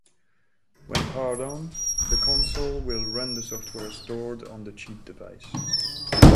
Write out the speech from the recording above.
When powered on, the console will run the software stored on the cheat device.